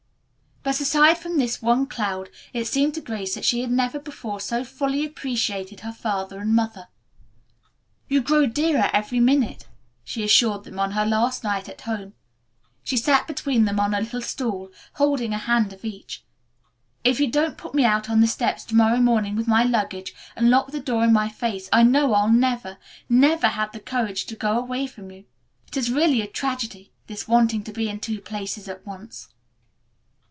But aside from this one cloud it seemed to Grace that she had never before so fully appreciated her father and mother. "You grow dearer every minute," she assured them on her last night at home. She sat between them on a little stool, holding a hand of each. "If you don't put me out on the steps to morrow morning with my luggage, and lock the door in my face, I know I'll never, never have the courage to go away from you. It is really a tragedy, this wanting to be in two places at once."